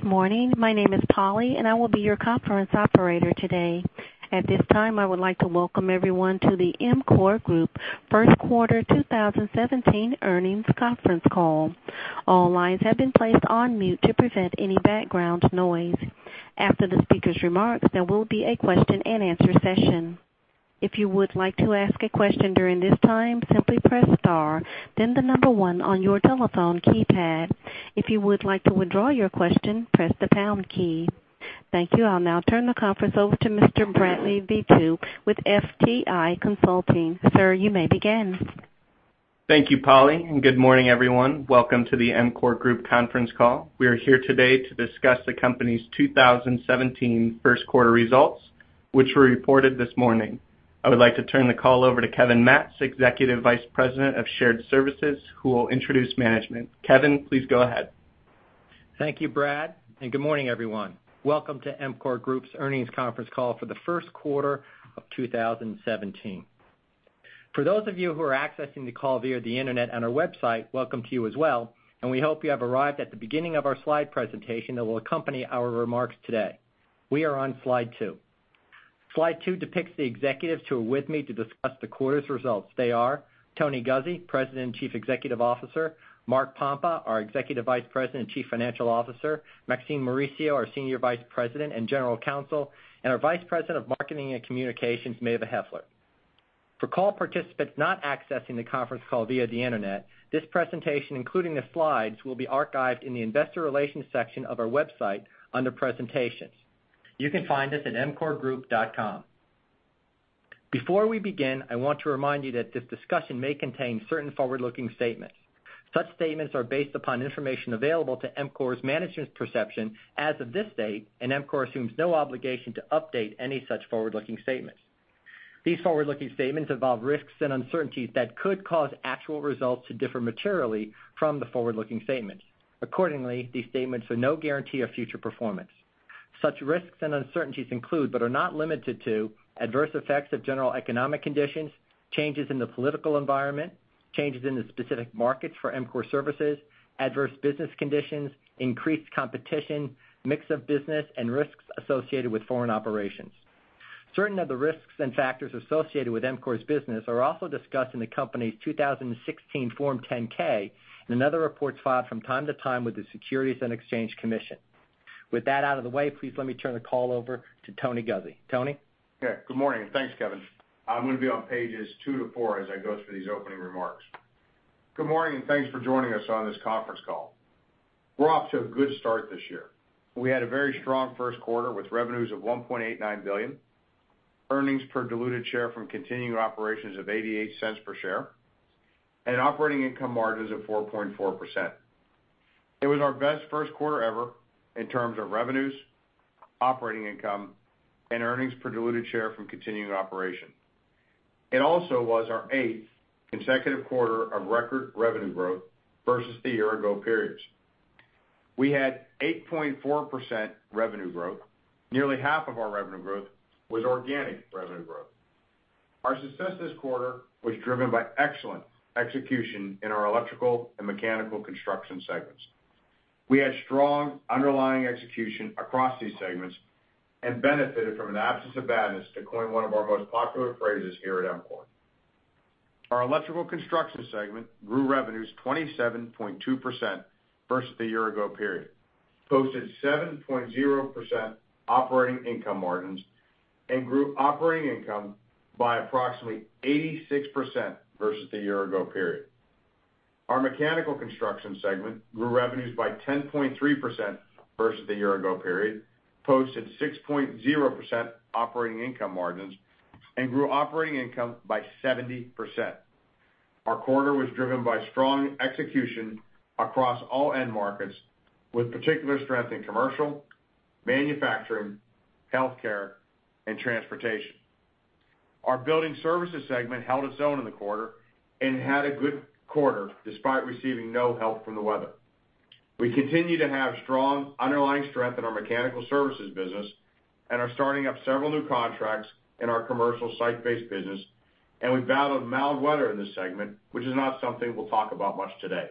Good morning. My name is Polly, and I will be your conference operator today. At this time, I would like to welcome everyone to the EMCOR Group First Quarter 2017 Earnings Conference Call. All lines have been placed on mute to prevent any background noise. After the speaker's remarks, there will be a question and answer session. If you would like to ask a question during this time, simply press star, then the number one on your telephone keypad. If you would like to withdraw your question, press the pound key. Thank you. I'll now turn the conference over to Mr. Bradley Beauteau with FTI Consulting. Sir, you may begin. Thank you, Polly, and good morning, everyone. Welcome to the EMCOR Group conference call. We are here today to discuss the company's 2017 first quarter results, which were reported this morning. I would like to turn the call over to Kevin Matz, Executive Vice President of Shared Services, who will introduce management. Kevin, please go ahead. Thank you, Brad, and good morning, everyone. Welcome to EMCOR Group's earnings conference call for the first quarter of 2017. For those of you who are accessing the call via the internet on our website, welcome to you as well, and we hope you have arrived at the beginning of our slide presentation that will accompany our remarks today. We are on slide two. Slide two depicts the executives who are with me to discuss the quarter's results. They are Tony Guzzi, President and Chief Executive Officer, Mark Pompa, our Executive Vice President and Chief Financial Officer, Maxine Mauricio, our Senior Vice President and General Counsel, and our Vice President of Marketing and Communications, Mava Heffler. For call participants not accessing the conference call via the internet, this presentation, including the slides, will be archived in the investor relations section of our website under presentations. You can find us at emcorgroup.com. Before we begin, I want to remind you that this discussion may contain certain forward-looking statements. Such statements are based upon information available to EMCOR's management's perception as of this date, and EMCOR assumes no obligation to update any such forward-looking statements. These forward-looking statements involve risks and uncertainties that could cause actual results to differ materially from the forward-looking statements. Accordingly, these statements are no guarantee of future performance. Such risks and uncertainties include, but are not limited to adverse effects of general economic conditions, changes in the political environment, changes in the specific markets for EMCOR services, adverse business conditions, increased competition, mix of business and risks associated with foreign operations. Certain of the risks and factors associated with EMCOR's business are also discussed in the company's 2016 Form 10-K and in other reports filed from time to time with the Securities and Exchange Commission. With that out of the way, please let me turn the call over to Tony Guzzi. Tony? Yeah. Good morning, and thanks, Kevin. I'm going to be on pages two to four as I go through these opening remarks. Good morning, and thanks for joining us on this conference call. We're off to a good start this year. We had a very strong first quarter with revenues of $1.89 billion, earnings per diluted share from continuing operations of $0.88 per share, and operating income margins of 4.4%. It was our best first quarter ever in terms of revenues, operating income, and earnings per diluted share from continuing operations. It also was our eighth consecutive quarter of record revenue growth versus the year ago periods. We had 8.4% revenue growth. Nearly half of our revenue growth was organic revenue growth. Our success this quarter was driven by excellent execution in our Electrical and Mechanical Construction segments. We had strong underlying execution across these segments and benefited from an absence of badness, to coin one of our most popular phrases here at EMCOR. Our Electrical Construction segment grew revenues 27.2% versus the year ago period, posted 7.0% operating income margins, and grew operating income by approximately 86% versus the year ago period. Our Mechanical Construction segment grew revenues by 10.3% versus the year ago period, posted 6.0% operating income margins, and grew operating income by 70%. Our quarter was driven by strong execution across all end markets, with particular strength in commercial, manufacturing, healthcare, and transportation. Our Building Services segment held its own in the quarter and had a good quarter despite receiving no help from the weather. We continue to have strong underlying strength in our mechanical services business and are starting up several new contracts in our commercial site-based business, and we battled mild weather in this segment, which is not something we'll talk about much today.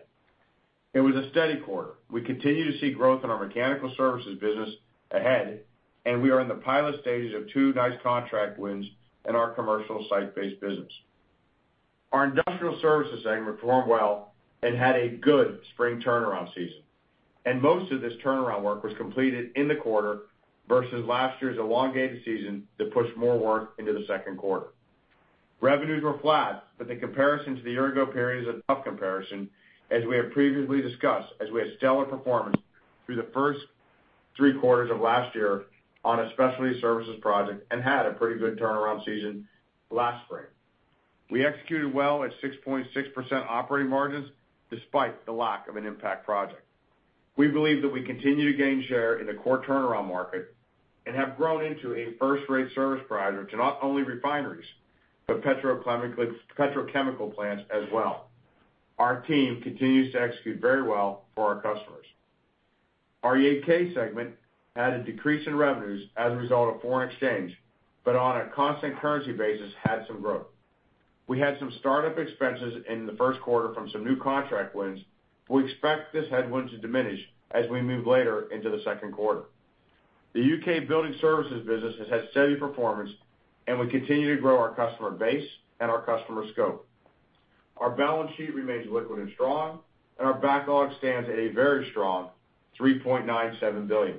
It was a steady quarter. We continue to see growth in our mechanical services business ahead, and we are in the pilot stages of two nice contract wins in our commercial site-based business. Our Industrial Services segment performed well and had a good spring turnaround season, and most of this turnaround work was completed in the quarter versus last year's elongated season that pushed more work into the second quarter. Revenues were flat, the comparison to the year ago period is a tough comparison, as we have previously discussed, as we had stellar performance through the first three quarters of last year on a specialty services project and had a pretty good turnaround season last spring. We executed well at 6.6% operating margins despite the lack of an impact project. We believe that we continue to gain share in the core turnaround market and have grown into a first-rate service provider to not only refineries, but petrochemical plants as well. Our team continues to execute very well for our customers. Our UK segment had a decrease in revenues as a result of foreign exchange, but on a constant currency basis, had some growth. We had some startup expenses in the first quarter from some new contract wins. We expect this headwind to diminish as we move later into the second quarter. The UK Building Services business has had steady performance, and we continue to grow our customer base and our customer scope. Our balance sheet remains liquid and strong, and our backlog stands at a very strong $3.97 billion.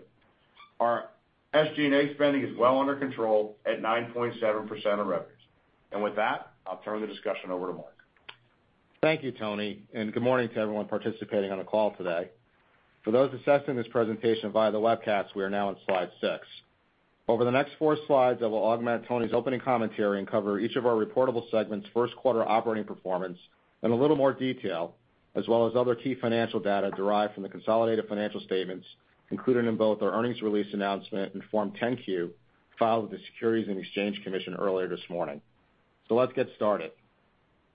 Our SG&A spending is well under control at 9.7% of revenues. With that, I'll turn the discussion over to Mark. Thank you, Tony, good morning to everyone participating on the call today. For those assessing this presentation via the webcast, we are now on slide six. Over the next four slides, I will augment Tony's opening commentary and cover each of our reportable segments' first quarter operating performance in a little more detail, as well as other key financial data derived from the consolidated financial statements included in both our earnings release announcement and Form 10-Q, filed with the Securities and Exchange Commission earlier this morning. Let's get started.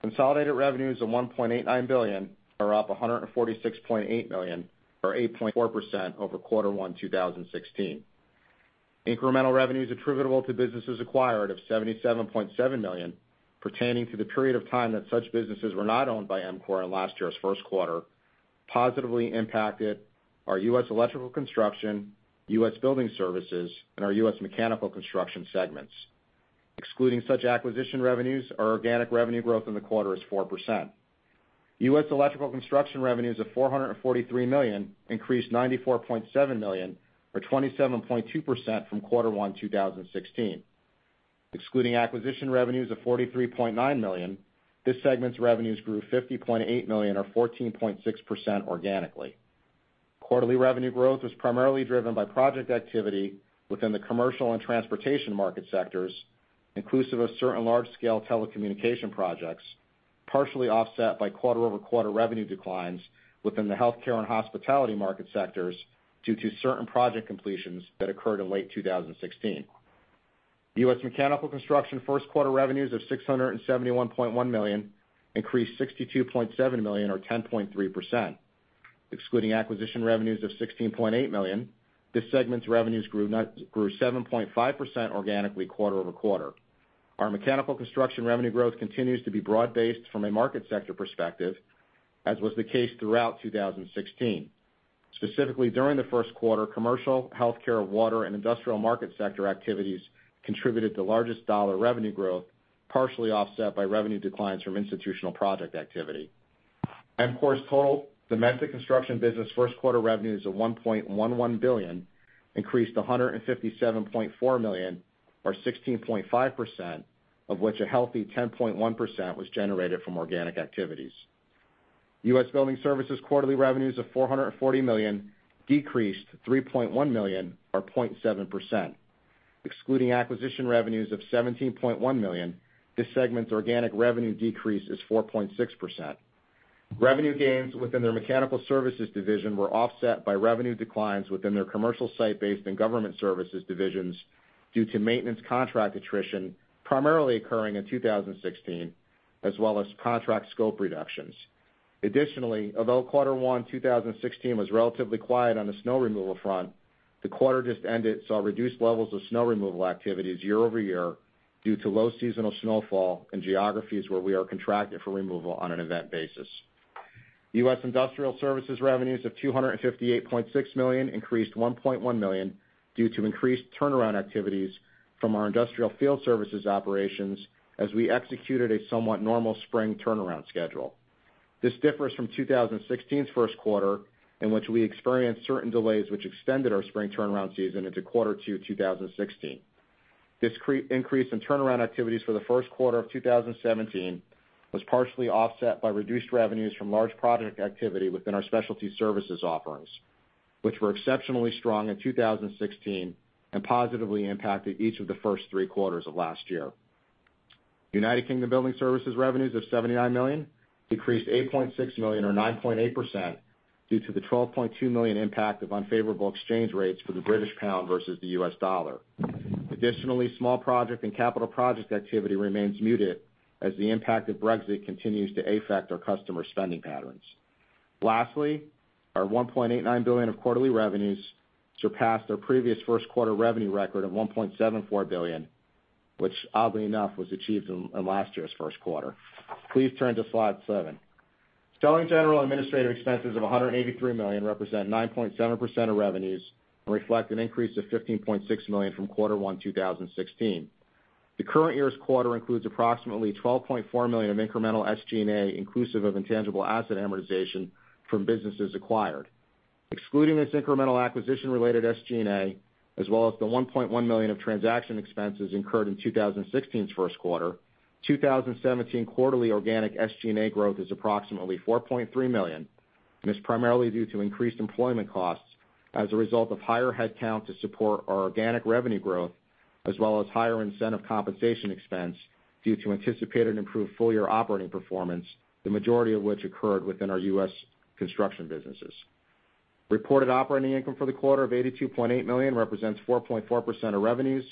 Consolidated revenues of $1.89 billion are up $146.8 million or 8.4% over quarter one 2016. Incremental revenues attributable to businesses acquired of $77.7 million, pertaining to the period of time that such businesses were not owned by EMCOR in last year's first quarter, positively impacted our US Electrical Construction Services, US Building Services, and our US Mechanical Construction Services segments. Excluding such acquisition revenues, our organic revenue growth in the quarter is 4%. US Electrical Construction Services revenues of $443 million increased $94.7 million or 27.2% from quarter one 2016. Excluding acquisition revenues of $43.9 million, this segment's revenues grew $50.8 million or 14.6% organically. Quarterly revenue growth was primarily driven by project activity within the commercial and transportation market sectors, inclusive of certain large-scale telecommunication projects, partially offset by quarter-over-quarter revenue declines within the healthcare and hospitality market sectors due to certain project completions that occurred in late 2016. US Mechanical Construction Services first quarter revenues of $671.1 million increased $62.7 million or 10.3%. Excluding acquisition revenues of $16.8 million, this segment's revenues grew 7.5% organically quarter-over-quarter. Our mechanical construction revenue growth continues to be broad-based from a market sector perspective, as was the case throughout 2016. Specifically, during the first quarter, commercial, healthcare, water, and industrial market sector activities contributed the largest dollar revenue growth, partially offset by revenue declines from institutional project activity. EMCOR's total domestic construction business first-quarter revenues of $1.11 billion increased $157.4 million or 16.5%, of which a healthy 10.1% was generated from organic activities. U.S. Building Services quarterly revenues of $440 million decreased $3.1 million or 0.7%. Excluding acquisition revenues of $17.1 million, this segment's organic revenue decrease is 4.6%. Revenue gains within their mechanical services division were offset by revenue declines within their commercial site-based and government services divisions due to maintenance contract attrition, primarily occurring in 2016, as well as contract scope reductions. Although quarter one 2016 was relatively quiet on the snow removal front, the quarter just ended saw reduced levels of snow removal activities year-over-year due to low seasonal snowfall in geographies where we are contracted for removal on an event basis. U.S. Industrial Services revenues of $258.6 million increased $1.1 million due to increased turnaround activities from our industrial field services operations as we executed a somewhat normal spring turnaround schedule. This differs from 2016's first quarter, in which we experienced certain delays which extended our spring turnaround season into quarter two 2016. This increase in turnaround activities for the first quarter of 2017 was partially offset by reduced revenues from large project activity within our specialty services offerings, which were exceptionally strong in 2016 and positively impacted each of the first three quarters of last year. U.K. Building Services revenues of 79 million decreased 8.6 million or 9.8% due to the 12.2 million impact of unfavorable exchange rates for the British pound versus the U.S. dollar. Small project and capital project activity remains muted as the impact of Brexit continues to affect our customers' spending patterns. Our $1.89 billion of quarterly revenues surpassed our previous first-quarter revenue record of $1.74 billion, which, oddly enough, was achieved in last year's first quarter. Please turn to slide seven. Selling, General, and Administrative expenses of $183 million represent 9.7% of revenues and reflect an increase of $15.6 million from Q1 2016. The current year's quarter includes approximately $12.4 million of incremental SG&A, inclusive of intangible asset amortization from businesses acquired. Excluding this incremental acquisition-related SG&A, as well as the $1.1 million of transaction expenses incurred in 2016's first quarter, 2017 quarterly organic SG&A growth is approximately $4.3 million and is primarily due to increased employment costs as a result of higher headcount to support our organic revenue growth as well as higher incentive compensation expense due to anticipated improved full-year operating performance, the majority of which occurred within our U.S. construction businesses. Reported operating income for the quarter of $82.8 million represents 4.4% of revenues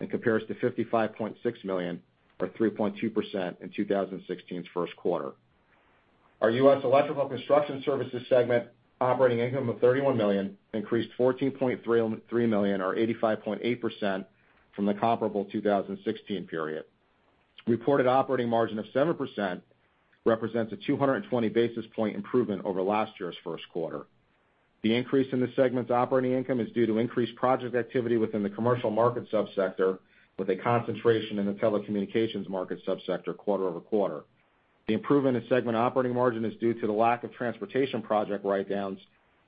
and compares to $55.6 million or 3.2% in 2016's first quarter. Our U.S. Electrical Construction Services segment operating income of $31 million increased $14.3 million or 85.8% from the comparable 2016 period. Reported operating margin of 7% represents a 220 basis point improvement over last year's first quarter. The increase in this segment's operating income is due to increased project activity within the commercial market sub-sector, with a concentration in the telecommunications market sub-sector quarter-over-quarter. The improvement in segment operating margin is due to the lack of transportation project write-downs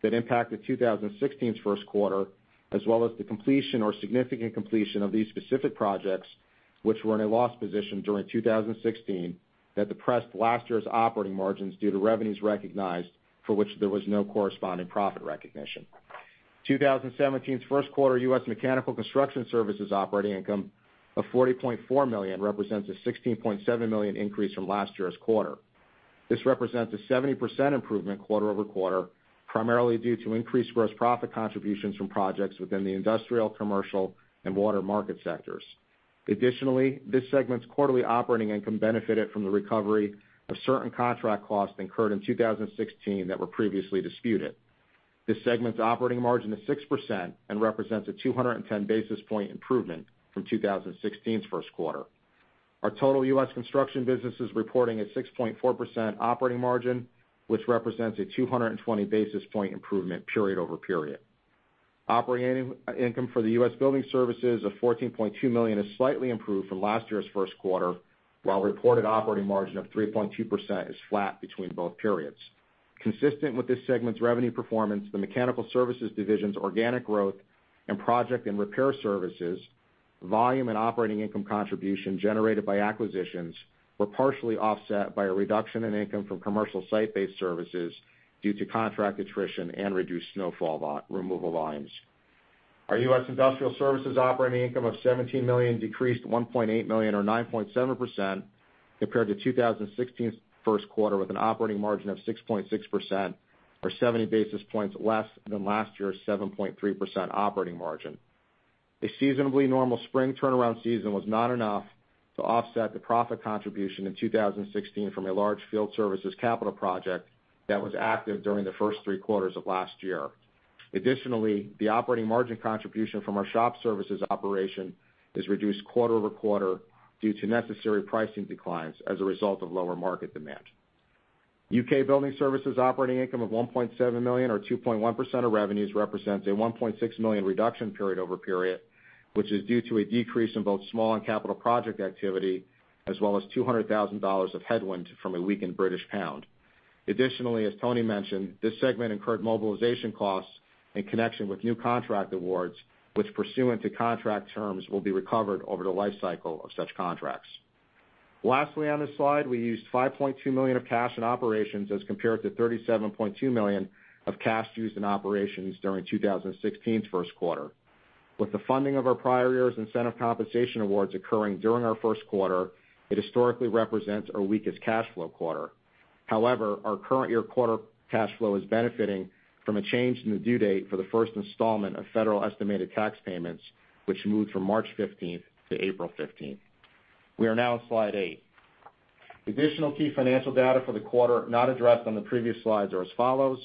that impacted 2016's first quarter, as well as the completion or significant completion of these specific projects, which were in a loss position during 2016 that depressed last year's operating margins due to revenues recognized for which there was no corresponding profit recognition. 2017's first quarter US Mechanical Construction Services operating income of $40.4 million represents a $16.7 million increase from last year's quarter. This represents a 70% improvement quarter-over-quarter, primarily due to increased gross profit contributions from projects within the industrial, commercial, and water market sectors. This segment's quarterly operating income benefited from the recovery of certain contract costs incurred in 2016 that were previously disputed. This segment's operating margin is 6% and represents a 210 basis points improvement from 2016's first quarter. Our total U.S. construction business is reporting a 6.4% operating margin, which represents a 220 basis points improvement period-over-period. Operating income for the US Building Services of $14.2 million is slightly improved from last year's first quarter, while reported operating margin of 3.2% is flat between both periods. Consistent with this segment's revenue performance, the mechanical services division's organic growth and project and repair services volume and operating income contribution generated by acquisitions were partially offset by a reduction in income from commercial site-based services due to contract attrition and reduced snowfall removal volumes. Our US Industrial Services operating income of $17 million decreased $1.8 million or 9.7% compared to 2016's first quarter, with an operating margin of 6.6%, or 70 basis points less than last year's 7.3% operating margin. A seasonably normal spring turnaround season was not enough to offset the profit contribution in 2016 from a large field services capital project that was active during the first three quarters of last year. The operating margin contribution from our shop services operation is reduced quarter-over-quarter due to necessary pricing declines as a result of lower market demand. UK Building Services operating income of $1.7 million or 2.1% of revenues represents a $1.6 million reduction period-over-period, which is due to a decrease in both small and capital project activity, as well as $200,000 of headwind from a weakened British pound. As Tony mentioned, this segment incurred mobilization costs in connection with new contract awards, which pursuant to contract terms will be recovered over the life cycle of such contracts. Lastly, on this slide, we used $5.2 million of cash in operations as compared to $37.2 million of cash used in operations during 2016's first quarter. With the funding of our prior year's incentive compensation awards occurring during our first quarter, it historically represents our weakest cash flow quarter. Our current year quarter cash flow is benefiting from a change in the due date for the first installment of federal estimated tax payments, which moved from March 15th to April 15th. We are now on slide eight. Additional key financial data for the quarter not addressed on the previous slides are as follows.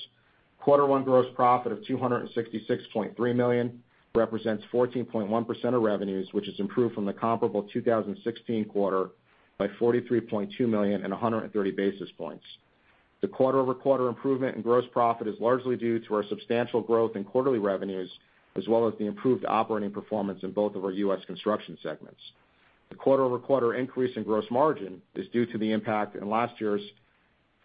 Quarter one gross profit of $266.3 million represents 14.1% of revenues, which has improved from the comparable 2016 quarter by $43.2 million and 130 basis points. The quarter-over-quarter improvement in gross profit is largely due to our substantial growth in quarterly revenues, as well as the improved operating performance in both of our U.S. construction segments. The quarter-over-quarter increase in gross margin is due to the impact in last year's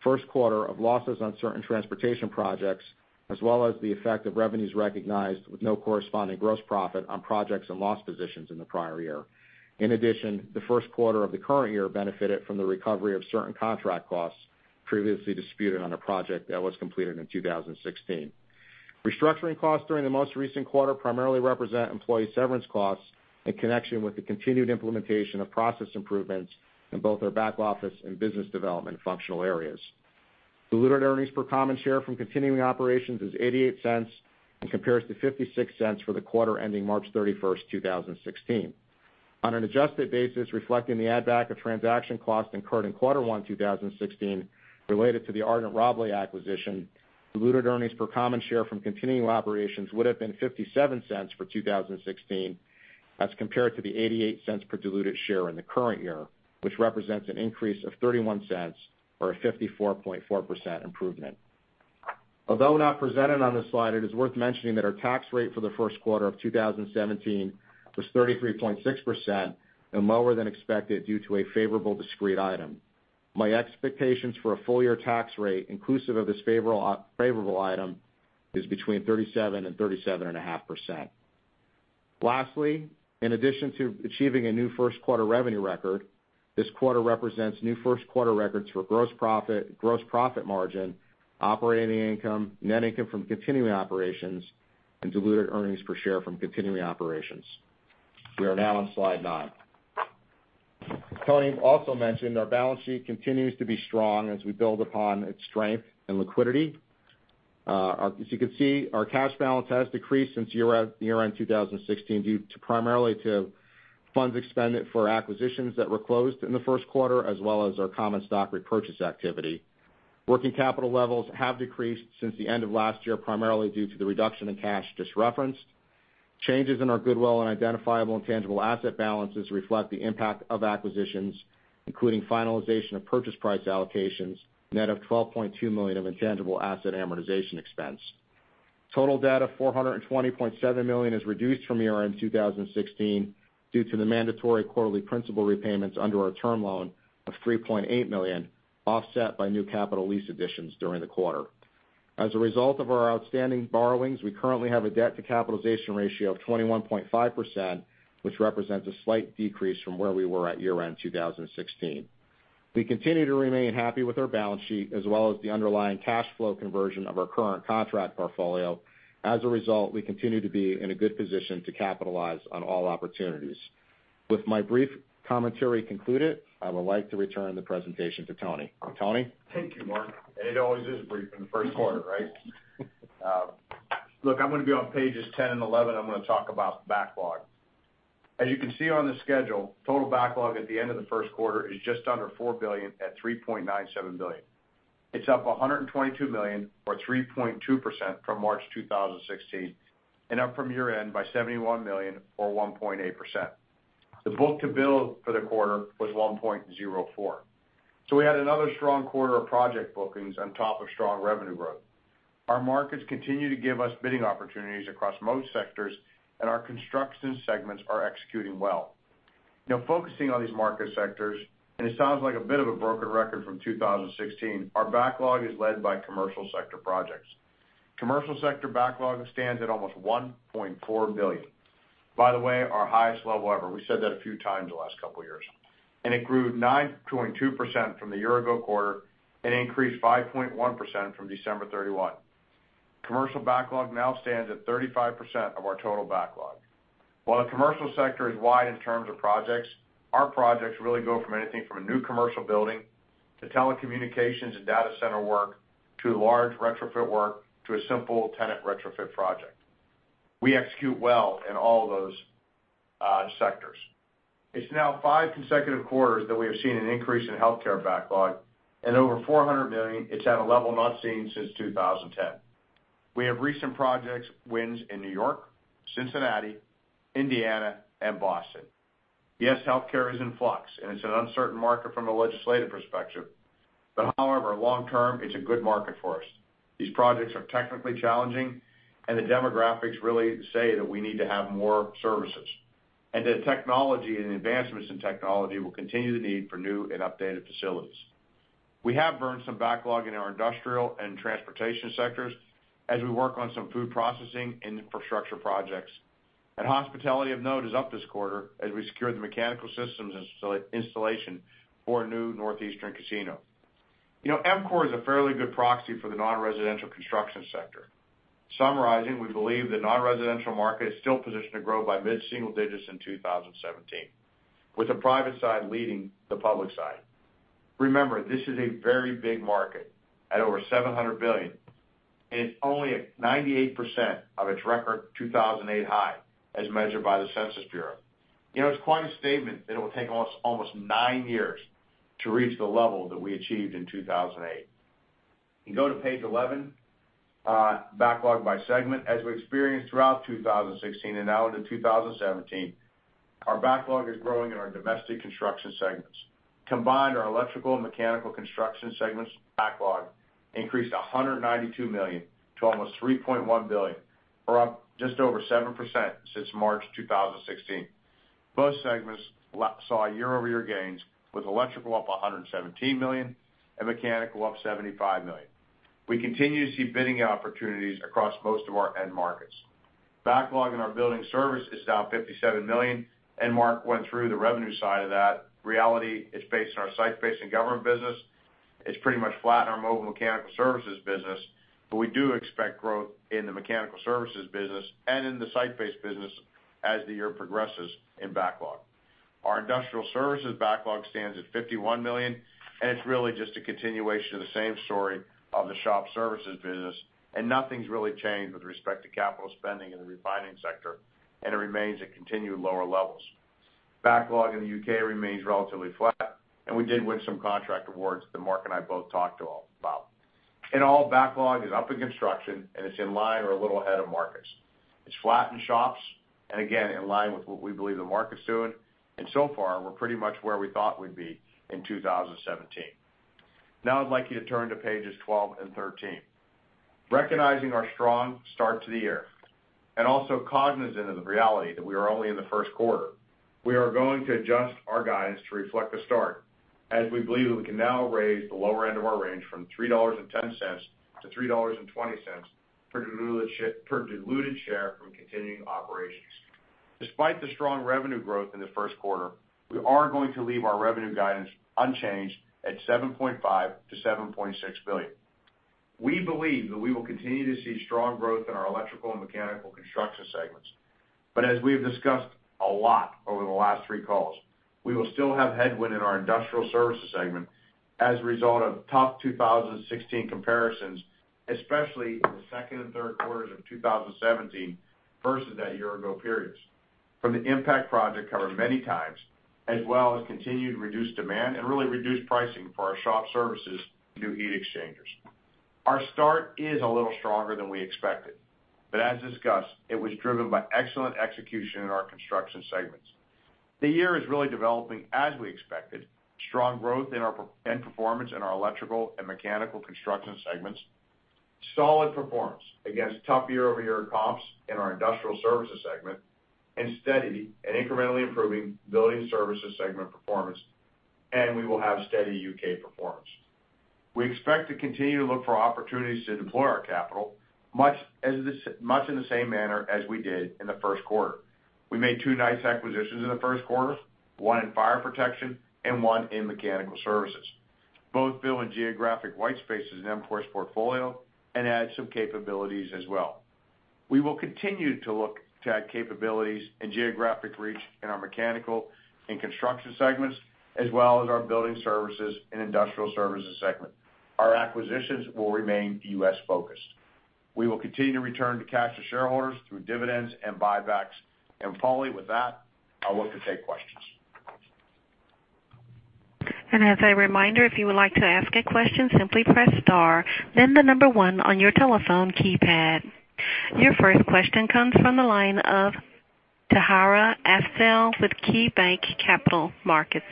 first quarter of losses on certain transportation projects, as well as the effect of revenues recognized with no corresponding gross profit on projects and loss positions in the prior year. In addition, the first quarter of the current year benefited from the recovery of certain contract costs previously disputed on a project that was completed in 2016. Restructuring costs during the most recent quarter primarily represent employee severance costs in connection with the continued implementation of process improvements in both our back office and business development functional areas. Diluted earnings per common share from continuing operations is $0.88 and compares to $0.56 for the quarter ending March 31st, 2016. On an adjusted basis, reflecting the add back of transaction costs incurred in quarter one 2016 related to the Ardent/Rabalais acquisition, diluted earnings per common share from continuing operations would've been $0.57 for 2016, as compared to the $0.88 per diluted share in the current year, which represents an increase of $0.31 or a 54.4% improvement. Although not presented on this slide, it is worth mentioning that our tax rate for the first quarter of 2017 was 33.6% and lower than expected due to a favorable discrete item. My expectations for a full-year tax rate inclusive of this favorable item is between 37%-37.5%. Lastly, in addition to achieving a new first quarter revenue record, this quarter represents new first-quarter records for gross profit, gross profit margin, operating income, net income from continuing operations, and diluted earnings per share from continuing operations. We are now on slide nine. As Tony also mentioned, our balance sheet continues to be strong as we build upon its strength and liquidity. As you can see, our cash balance has decreased since year-end 2016 due primarily to funds expended for acquisitions that were closed in the first quarter, as well as our common stock repurchase activity. Working capital levels have decreased since the end of last year, primarily due to the reduction in cash just referenced. Changes in our goodwill and identifiable and tangible asset balances reflect the impact of acquisitions, including finalization of purchase price allocations, net of $12.2 million of intangible asset amortization expense. Total debt of $420.7 million is reduced from year-end 2016 due to the mandatory quarterly principal repayments under our term loan of $3.8 million, offset by new capital lease additions during the quarter. As a result of our outstanding borrowings, we currently have a debt-to-capitalization ratio of 21.5%, which represents a slight decrease from where we were at year-end 2016. We continue to remain happy with our balance sheet as well as the underlying cash flow conversion of our current contract portfolio. As a result, we continue to be in a good position to capitalize on all opportunities. With my brief commentary concluded, I would like to return the presentation to Tony. Tony? Thank you, Mark. It always is brief in the first quarter, right? I am going to be on pages 10 and 11. I am going to talk about backlog. As you can see on the schedule, total backlog at the end of the first quarter is just under $4 billion at $3.97 billion. It is up $122 million or 3.2% from March 2016, up from year-end by $71 million or 1.8%. The book-to-bill for the quarter was 1.04. We had another strong quarter of project bookings on top of strong revenue growth. Our markets continue to give us bidding opportunities across most sectors, our construction segments are executing well. Focusing on these market sectors, it sounds like a bit of a broken record from 2016, our backlog is led by commercial sector projects. Commercial sector backlog stands at almost $1.4 billion. By the way, our highest level ever. We have said that a few times the last couple of years. It grew 9.2% from the year-ago quarter and increased 5.1% from December 31. Commercial backlog now stands at 35% of our total backlog. While the commercial sector is wide in terms of projects, our projects really go from anything from a new commercial building to telecommunications and data center work, to large retrofit work, to a simple tenant retrofit project. We execute well in all those sectors. It is now five consecutive quarters that we have seen an increase in healthcare backlog, over $400 million, it is at a level not seen since 2010. We have recent project wins in New York, Cincinnati, Indiana, and Boston. Yes, healthcare is in flux, it is an uncertain market from a legislative perspective. However, long term, it is a good market for us. These projects are technically challenging, the demographics really say that we need to have more services, that technology and advancements in technology will continue the need for new and updated facilities. We have earned some backlog in our industrial and transportation sectors as we work on some food processing infrastructure projects. Hospitality of note is up this quarter as we secure the mechanical systems installation for a new northeastern casino. EMCOR is a fairly good proxy for the non-residential construction sector. Summarizing, we believe the non-residential market is still positioned to grow by mid-single digits in 2017, with the private side leading the public side. Remember, this is a very big market at over $700 billion, it is only at 98% of its record 2008 high as measured by the United States Census Bureau. It is quite a statement that it will take almost nine years to reach the level that we achieved in 2008. You go to page 11, backlog by segment. As we experienced throughout 2016 and now into 2017, our backlog is growing in our domestic construction segments. Combined, our electrical and mechanical construction segments backlog increased to $192 million to almost $3.1 billion, up just over 7% since March 2016. Both segments saw year-over-year gains, with electrical up $117 million, mechanical up $75 million. We continue to see bidding opportunities across most of our end markets. Backlog in our building service is down $57 million, Mark went through the revenue side of that. Reality is based in our site-based and government business. It's pretty much flat in our mobile mechanical services business, but we do expect growth in the mechanical services business and in the site-based business as the year progresses in backlog. Our industrial services backlog stands at $51 million, and it's really just a continuation of the same story of the shop services business. Nothing's really changed with respect to capital spending in the refining sector, and it remains at continued lower levels. Backlog in the U.K. remains relatively flat, and we did win some contract awards that Mark and I both talked about. In all, backlog is up in construction, and it's in line or a little ahead of markets. It's flat in shops, and again, in line with what we believe the market's doing. So far, we're pretty much where we thought we'd be in 2017. I'd like you to turn to pages 12 and 13. Recognizing our strong start to the year and also cognizant of the reality that we are only in the first quarter, we are going to adjust our guidance to reflect the start as we believe that we can now raise the lower end of our range from $3.10 to $3.20 per diluted share from continuing operations. Despite the strong revenue growth in the first quarter, we are going to leave our revenue guidance unchanged at $7.5 billion-$7.6 billion. We believe that we will continue to see strong growth in our electrical and mechanical construction segments. As we have discussed a lot over the last three calls, we will still have headwind in our industrial services segment as a result of top 2016 comparisons, especially in the second and third quarters of 2017 versus that year-ago periods from the impact project covered many times, as well as continued reduced demand and really reduced pricing for our shop services to heat exchangers. Our start is a little stronger than we expected, but as discussed, it was driven by excellent execution in our construction segments. The year is really developing as we expected, strong growth and performance in our electrical and mechanical construction segments, solid performance against tough year-over-year comps in our industrial services segment, and steady and incrementally improving building services segment performance. We will have steady U.K. performance. We expect to continue to look for opportunities to deploy our capital, much in the same manner as we did in the first quarter. We made two nice acquisitions in the first quarter, one in fire protection and one in mechanical services. Both fill in geographic white spaces in EMCOR's portfolio and add some capabilities as well. We will continue to look to add capabilities and geographic reach in our mechanical and construction segments, as well as our building services and industrial services segment. Our acquisitions will remain U.S.-focused. We will continue to return to cash to shareholders through dividends and buybacks. Finally, with that, I'll look to take questions. As a reminder, if you would like to ask a question, simply press star, then the number 1 on your telephone keypad. Your first question comes from the line of Tahira Afzal with KeyBanc Capital Markets.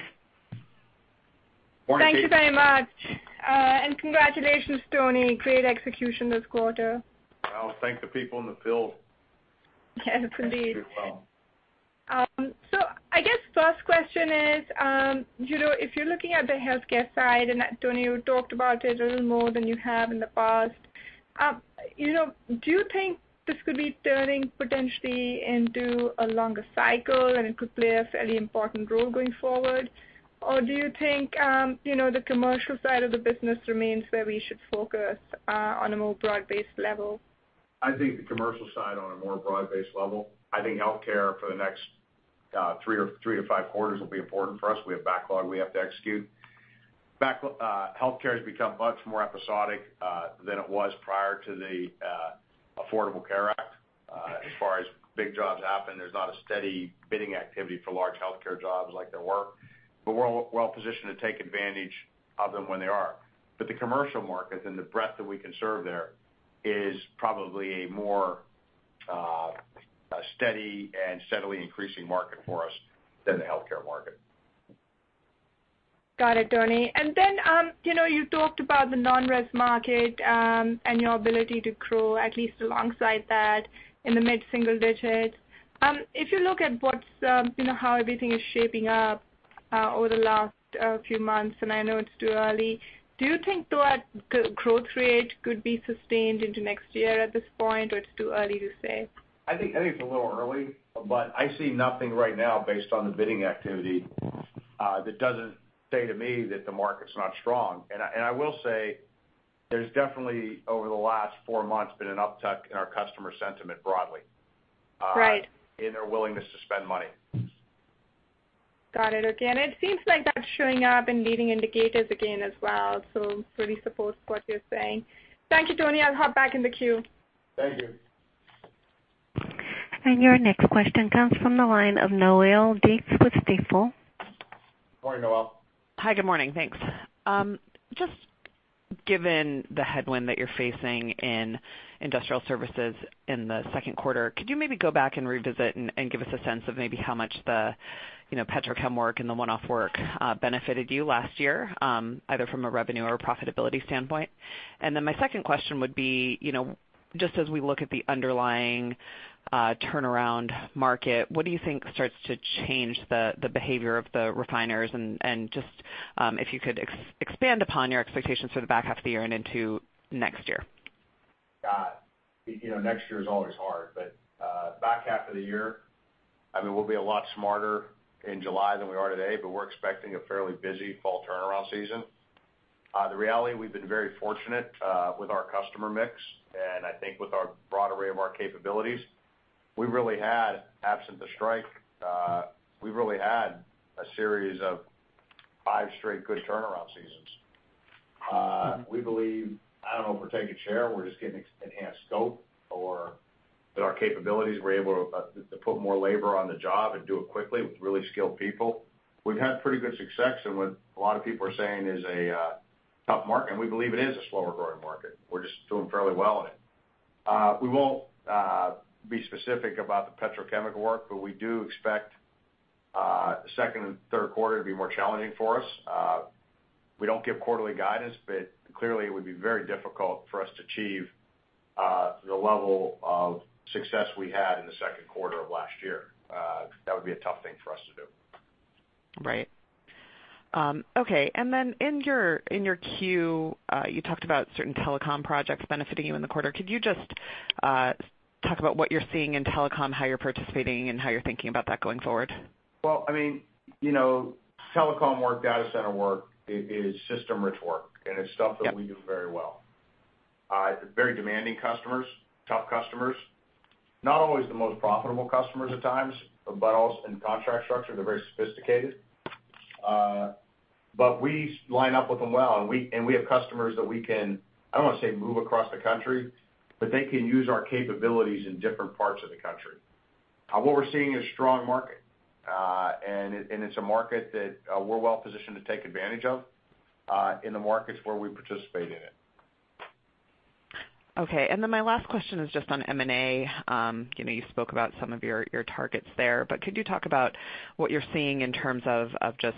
Morning, Tahira. Thank you very much. Congratulations, Tony. Great execution this quarter. Well, thank the people in the field. Yes, indeed. They do well. I guess first question is, if you're looking at the healthcare side, and Tony, you talked about it a little more than you have in the past, do you think this could be turning potentially into a longer cycle and it could play a fairly important role going forward? Or do you think the commercial side of the business remains where we should focus on a more broad-based level? I think the commercial side on a more broad-based level. I think healthcare for the next 3 to 5 quarters will be important for us. We have backlog we have to execute. Healthcare has become much more episodic than it was prior to the Affordable Care Act. As far as big jobs happen, there's not a steady bidding activity for large healthcare jobs like there were, but we're well positioned to take advantage of them when they are. The commercial markets and the breadth that we can serve there is probably a more steady and steadily increasing market for us than the healthcare market. Got it, Tony. Then you talked about the non-res market, and your ability to grow at least alongside that in the mid-single digits. If you look at how everything is shaping up over the last few months, and I know it's too early, do you think that growth rate could be sustained into next year at this point, or it's too early to say? I think it's a little early, but I see nothing right now based on the bidding activity that doesn't say to me that the market's not strong. I will say there's definitely, over the last four months, been an uptick in our customer sentiment broadly. Right. In their willingness to spend money. Got it. Okay. It seems like that's showing up in leading indicators again as well. Really supports what you're saying. Thank you, Tony. I'll hop back in the queue. Thank you. Your next question comes from the line of Noelle Dilts with Stifel. Morning, Noelle. Hi, good morning. Thanks. Just given the headwind that you're facing in Industrial Services in the second quarter, could you maybe go back and revisit and give us a sense of maybe how much the petrochemical work and the one-off work benefited you last year, either from a revenue or profitability standpoint? My second question would be, just as we look at the underlying turnaround market, what do you think starts to change the behavior of the refiners and just if you could expand upon your expectations for the back half of the year and into next year? Got it. Next year is always hard, but back half of the year, I mean, we'll be a lot smarter in July than we are today, but we're expecting a fairly busy fall turnaround season. The reality, we've been very fortunate with our customer mix, and I think with our broad array of our capabilities. We've really had, absent the strike, we've really had a series of five straight good turnaround seasons. We believe, I don't know if we're taking share or we're just getting enhanced scope or that our capabilities, we're able to put more labor on the job and do it quickly with really skilled people. We've had pretty good success in what a lot of people are saying is a tough market, and we believe it is a slower growing market. We're just doing fairly well in it. We won't be specific about the petrochemical work, but we do expect the second and third quarter to be more challenging for us. We don't give quarterly guidance, but clearly it would be very difficult for us to achieve the level of success we had in the second quarter of last year. That would be a tough thing for us to do. Right. Okay, in your Q, you talked about certain telecom projects benefiting you in the quarter. Could you just talk about what you're seeing in telecom, how you're participating, and how you're thinking about that going forward? Well, telecom work, data center work is system-rich work, it's stuff that we do very well. Very demanding customers, tough customers. Not always the most profitable customers at times, also in contract structure, they're very sophisticated. We line up with them well, we have customers that we can, I don't want to say move across the country, but they can use our capabilities in different parts of the country. What we're seeing is strong market, it's a market that we're well positioned to take advantage of, in the markets where we participate in it. Okay, my last question is just on M&A. You spoke about some of your targets there, could you talk about what you're seeing in terms of just,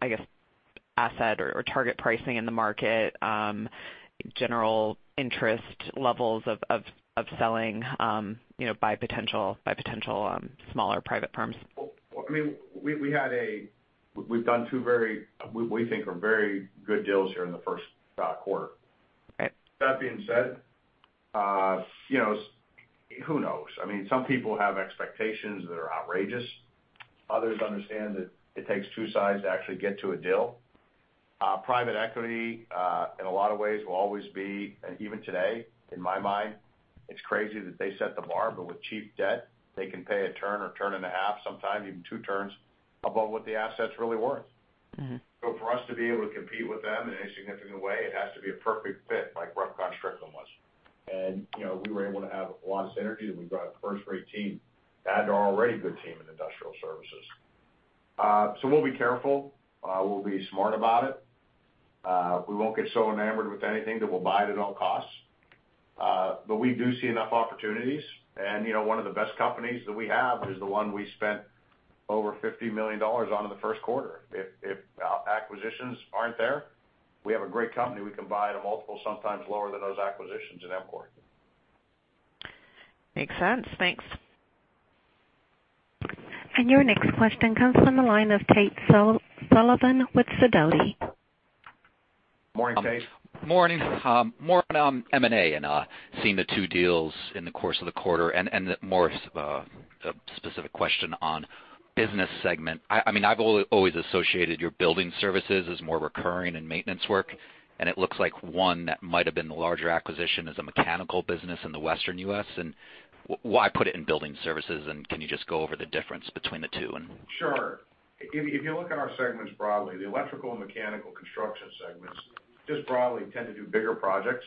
I guess, asset or target pricing in the market, general interest levels of selling, by potential smaller private firms? We've done two very, we think are very good deals here in the first quarter. Okay. That being said, who knows? Some people have expectations that are outrageous. Others understand that it takes two sides to actually get to a deal. Private equity, in a lot of ways, will always be, even today, in my mind, it's crazy that they set the bar, with cheap debt, they can pay a turn or turn and a half, sometimes even two turns above what the asset's really worth. For us to be able to compete with them in any significant way, it has to be a perfect fit, like Repcon and Altair Strickland were. We were able to have a lot of synergy, and we brought a first-rate team, to add to our already good team in industrial services. We'll be careful. We'll be smart about it. We won't get so enamored with anything that we'll buy it at all costs. We do see enough opportunities. One of the best companies that we have is the one we spent over $50 million on in the first quarter. If acquisitions aren't there, we have a great company we can buy at a multiple, sometimes lower than those acquisitions at EMCOR. Makes sense. Thanks. Your next question comes from the line of Tate Sullivan with Sidoti. Morning, Tate. Morning. More on M&A and seeing the two deals in the course of the quarter and more of a specific question on business segment. I've always associated your building services as more recurring and maintenance work, and it looks like one that might have been the larger acquisition is a mechanical business in the Western U.S. Why put it in building services, and can you just go over the difference between the two? Sure. If you look at our segments broadly, the electrical and mechanical construction segments just broadly tend to do bigger projects.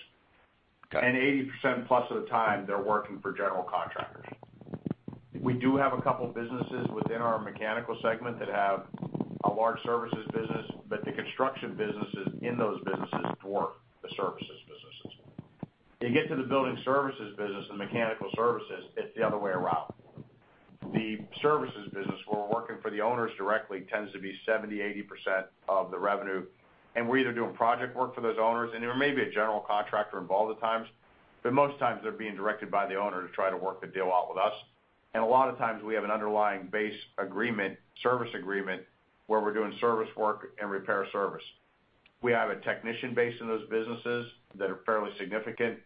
Got it. 80% plus of the time, they're working for general contractors. We do have a couple businesses within our mechanical segment that have a large services business, but the construction businesses in those businesses dwarf the services businesses. You get to the building services business and mechanical services, it's the other way around. The services business, where we're working for the owners directly tends to be 70%-80% of the revenue, and we're either doing project work for those owners, and there may be a general contractor involved at times. Most times, they're being directed by the owner to try to work the deal out with us. A lot of times we have an underlying base agreement, service agreement, where we're doing service work and repair service. We have a technician base in those businesses that are fairly significant,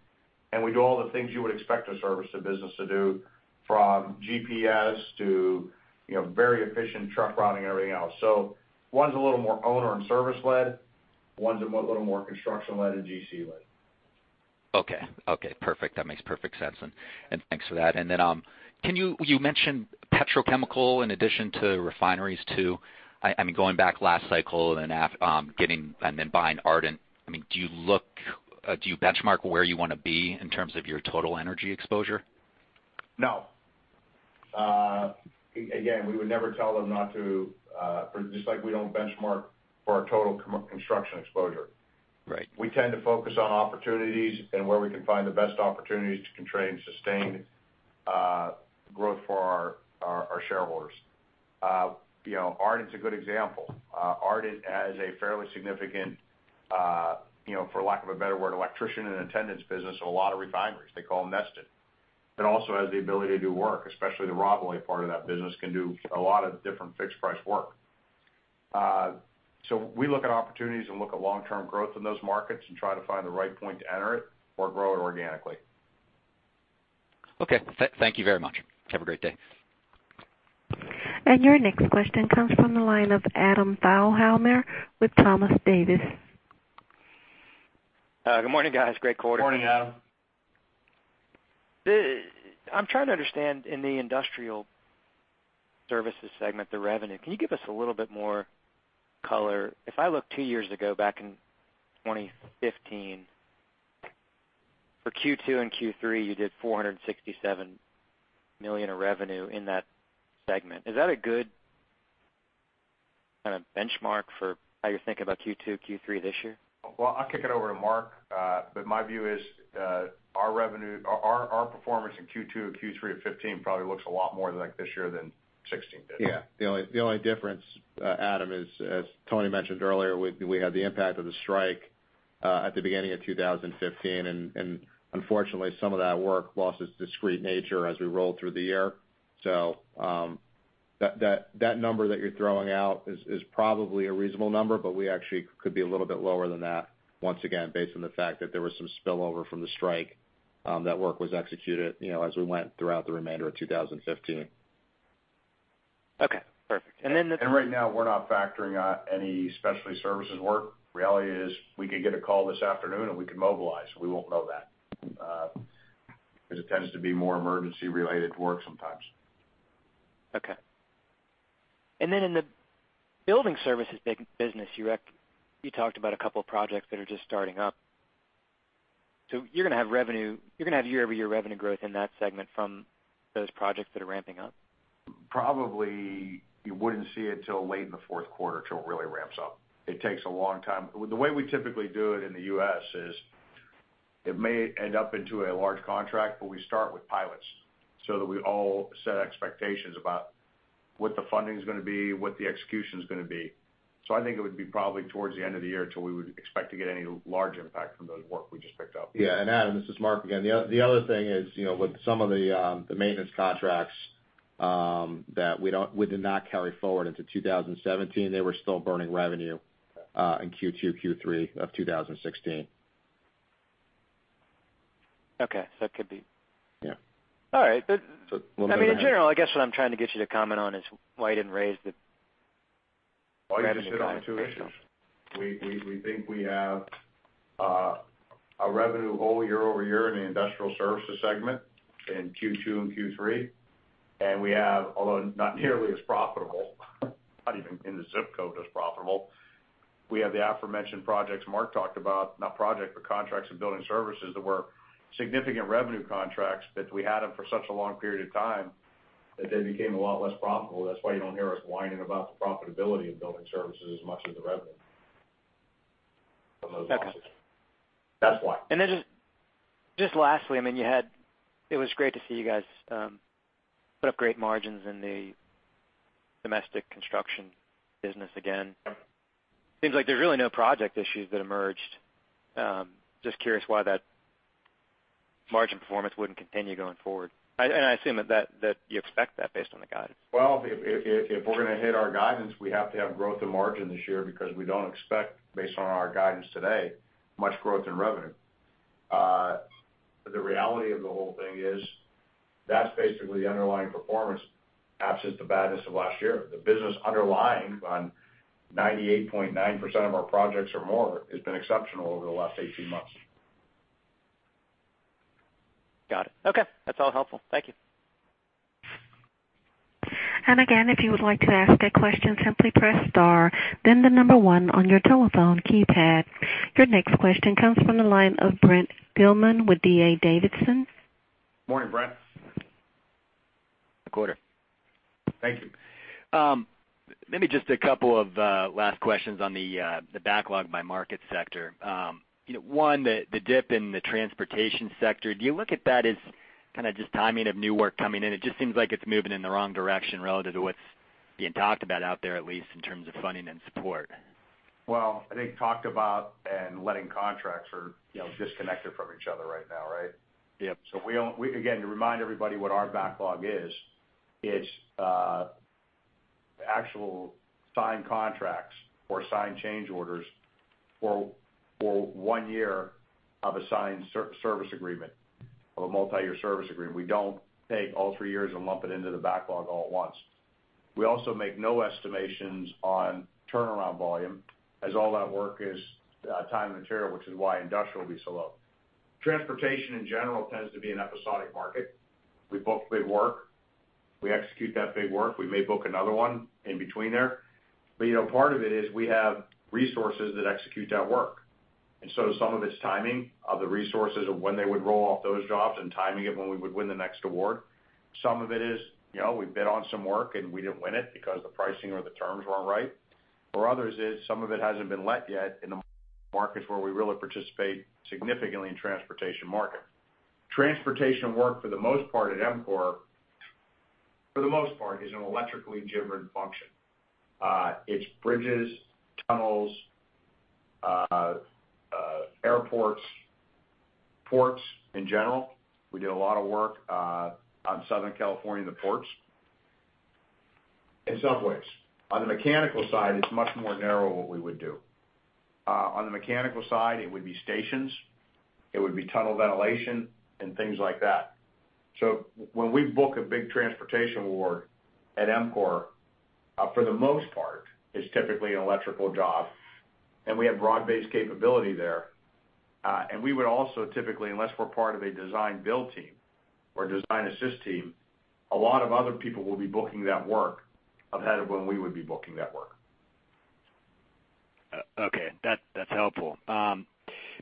and we do all the things you would expect a service business to do, from GPS to very efficient truck routing and everything else. One's a little more owner and service led. One's a little more construction led and GC led. Okay. Perfect. That makes perfect sense. Thanks for that. Then, you mentioned petrochemical in addition to refineries too. Going back last cycle then buying Ardent, do you benchmark where you want to be in terms of your total energy exposure? No. Again, we would never tell them not to, just like we don't benchmark for our total construction exposure. Right. We tend to focus on opportunities and where we can find the best opportunities to constrain sustained growth for our shareholders. Ardent's a good example. Ardent has a fairly significant, for lack of a better word, electrician and attendance business at a lot of refineries. They call them nested. It also has the ability to do work, especially the Rabalais part of that business can do a lot of different fixed price work. We look at opportunities and look at long-term growth in those markets and try to find the right point to enter it or grow it organically. Okay. Thank you very much. Have a great day. Your next question comes from the line of Adam Thalhimer with Thompson, Davis & Co. Good morning, guys. Great quarter. Morning, Adam. I'm trying to understand in the Industrial Services segment, the revenue. Can you give us a little bit more color? If I look two years ago, back in 2015, for Q2 and Q3, you did $467 million of revenue in that segment. Is that a good kind of benchmark for how you're thinking about Q2, Q3 this year? Well, I'll kick it over to Mark. My view is, our performance in Q2 or Q3 of 2015 probably looks a lot more like this year than 2016 did. Yeah. The only difference, Adam, is as Tony mentioned earlier, we had the impact of the strike, at the beginning of 2015, and unfortunately, some of that work lost its discrete nature as we rolled through the year. That number that you're throwing out is probably a reasonable number, but we actually could be a little bit lower than that, once again, based on the fact that there was some spillover from the strike, that work was executed as we went throughout the remainder of 2015. Okay, perfect. Right now we're not factoring out any specialty services work. Reality is, we could get a call this afternoon, and we could mobilize. We won't know that. Because it tends to be more emergency-related work sometimes. Okay. In the building services business, you talked about a couple of projects that are just starting up. You're going to have year-over-year revenue growth in that segment from those projects that are ramping up? Probably you wouldn't see it till late in the fourth quarter till it really ramps up. It takes a long time. The way we typically do it in the U.S. is it may end up into a large contract, but we start with pilots so that we all set expectations about what the funding's going to be, what the execution's going to be. I think it would be probably towards the end of the year till we would expect to get any large impact from those work we just picked up. Yeah. Adam, this is Mark again. The other thing is, with some of the maintenance contracts, that we did not carry forward into 2017, they were still burning revenue in Q2, Q3 of 2016. Okay. It could be. Yeah. All right. So one minute- In general, I guess what I'm trying to get you to comment on is why you didn't raise the revenue guidance. Well, you just hit on the two issues. We think we have a revenue hole year-over-year in the Industrial Services segment in Q2 and Q3, and we have, although not nearly as profitable, not even in the ZIP code as profitable, we have the aforementioned projects Mark talked about. Not project, but contracts in Building Services that were significant revenue contracts that we had them for such a long period of time that they became a lot less profitable. That's why you don't hear us whining about the profitability of Building Services as much as the revenue from those contracts. Okay. That's why. Just lastly, it was great to see you guys put up great margins in the domestic construction business again. Seems like there's really no project issues that emerged. Just curious why that margin performance wouldn't continue going forward. I assume that you expect that based on the guidance. Well, if we're going to hit our guidance, we have to have growth in margin this year because we don't expect, based on our guidance today, much growth in revenue. The reality of the whole thing is that's basically the underlying performance, absent the badness of last year. The business underlying on 98.9% of our projects or more has been exceptional over the last 18 months. Got it. Okay. That's all helpful. Thank you. Again, if you would like to ask a question, simply press star, then the number one on your telephone keypad. Your next question comes from the line of Brent Thielman with D.A. Davidson. Morning, Brent. Thank you. Maybe just a couple of last questions on the backlog by market sector. One, the dip in the transportation sector, do you look at that as kind of just timing of new work coming in? It just seems like it's moving in the wrong direction relative to what's being talked about out there, at least in terms of funding and support. Well, I think talked about and letting contracts are disconnected from each other right now, right? Yep. Again, to remind everybody what our backlog is, it's actual signed contracts or signed change orders for one year of a signed service agreement or a multiyear service agreement. We don't take all three years and lump it into the backlog all at once. We also make no estimations on turnaround volume, as all that work is time and material, which is why industrial will be so low. Transportation, in general, tends to be an episodic market. We book big work, we execute that big work. We may book another one in between there. Part of it is we have resources that execute that work. Some of it's timing of the resources of when they would roll off those jobs and timing it when we would win the next award. Some of it is, we bid on some work, and we didn't win it because the pricing or the terms weren't right. For others it's some of it hasn't been let yet in the markets where we really participate significantly in transportation market. Transportation work for the most part at EMCOR, for the most part, is an electrically driven function. It's bridges, tunnels, airports, ports in general. We do a lot of work on Southern California, the ports, and subways. On the mechanical side, it's much more narrow what we would do. On the mechanical side, it would be stations, it would be tunnel ventilation and things like that. When we book a big transportation award at EMCOR, for the most part, it's typically an electrical job, and we have broad-based capability there. We would also typically, unless we're part of a design build team or design assist team, a lot of other people will be booking that work ahead of when we would be booking that work. Okay. That's helpful.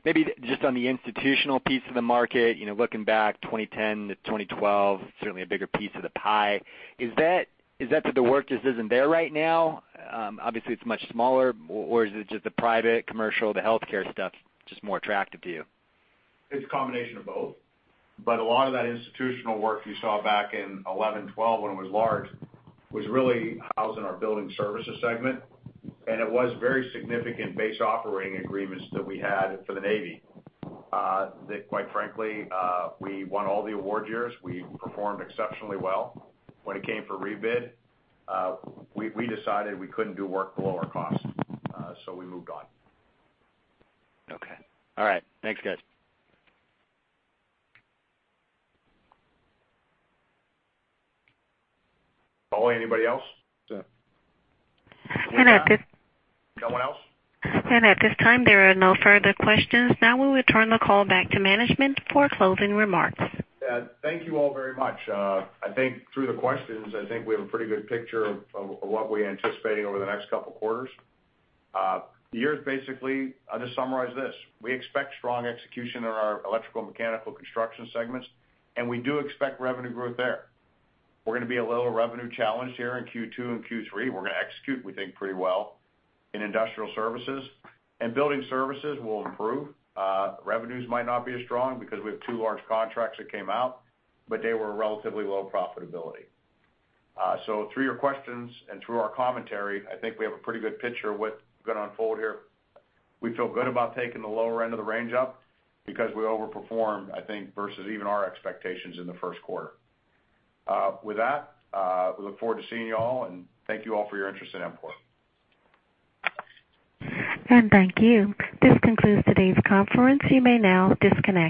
Maybe just on the institutional piece of the market, looking back 2010 to 2012, certainly a bigger piece of the pie. Is that the work just isn't there right now? Obviously, it's much smaller. Or is it just the private, commercial, the healthcare stuff just more attractive to you? It's a combination of both. A lot of that institutional work you saw back in 2011, 2012, when it was large, was really housed in our US Building Services segment. It was very significant base operating agreements that we had for the Navy, that quite frankly, we won all the award years. We performed exceptionally well. When it came for rebid, we decided we couldn't do work below our cost, so we moved on. Okay. All right. Thanks, guys. Polly, anybody else? at this- Got anyone else? At this time, there are no further questions. Now we will turn the call back to management for closing remarks. Thank you all very much. I think through the questions, we have a pretty good picture of what we're anticipating over the next couple of quarters. The year is basically, I'll just summarize this, we expect strong execution in our electrical and mechanical construction segments, and we do expect revenue growth there. We're going to be a little revenue challenged here in Q2 and Q3. We're going to execute, we think, pretty well in industrial services and building services will improve. Revenues might not be as strong because we have 2 large contracts that came out, but they were relatively low profitability. Through your questions and through our commentary, I think we have a pretty good picture of what's going to unfold here. We feel good about taking the lower end of the range up because we overperformed, I think, versus even our expectations in the first quarter. We look forward to seeing you all, and thank you all for your interest in EMCOR. Thank you. This concludes today's conference. You may now disconnect.